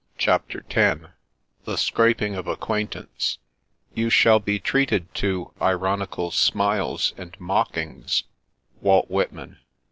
CHAPTER X XSbc Scrapfnd ot Bcauaftttance " You shall be treated to ... ironical smiles and mockings." —Walt Whitman.